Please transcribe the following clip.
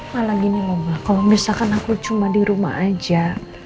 malah gini loh mbak kalau misalkan aku cuma di rumah aja